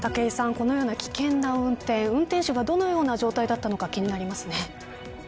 このような危険な運転運転手がどのような状態だったのか気になりますね。